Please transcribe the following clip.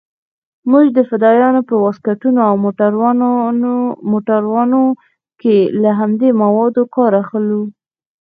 موږ د فدايانو په واسکټونو او موټرانو کښې له همدې موادو کار اخلو.